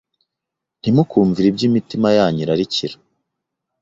ntimukumvire ibyo imitima yanyu irarikira.